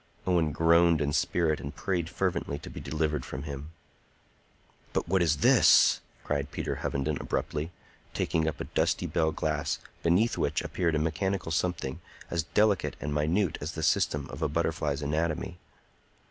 Owen groaned in spirit and prayed fervently to be delivered from him. "But what is this?" cried Peter Hovenden abruptly, taking up a dusty bell glass, beneath which appeared a mechanical something, as delicate and minute as the system of a butterfly's anatomy.